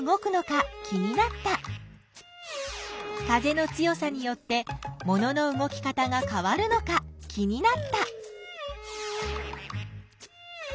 風の強さによってものの動き方がかわるのか気になった。